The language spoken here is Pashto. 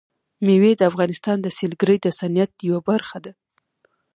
مېوې د افغانستان د سیلګرۍ د صنعت یوه برخه ده.